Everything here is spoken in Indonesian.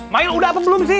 mail udah apa belum sih